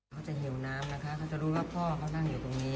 เขาจะหิวน้ำนะคะเขาจะรู้ว่าพ่อเขานั่งอยู่ตรงนี้